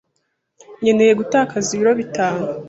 Nkeneye gutakaza ibiro bitanu.